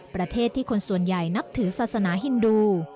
ประเทศที่คนส่วนใหญ่นับถือศาสนาฮินดู